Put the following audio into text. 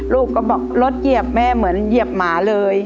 ลูกก็บอกรถเหยียบแม่เหมือนเหยียบหมาเลย